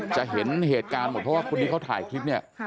จะเห็นเหตุการณ์หมดเพราะว่าคนที่เขาถ่ายคลิปเนี่ย